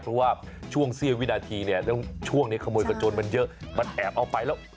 เพราะว่าช่วงเสี้ยววินาทีเนี่ยช่วงนี้ขโมยกับโจรมันเยอะมันแอบเอาไปแล้ว